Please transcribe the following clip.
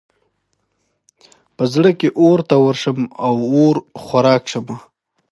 په زړه کې اور ته ورشم او اور خوراک شم.